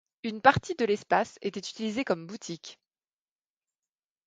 Une partie de l'espace était utilisée comme boutique.